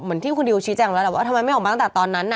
ที่คุณดิวชี้แจงแล้วแหละว่าทำไมไม่ออกมาตั้งแต่ตอนนั้น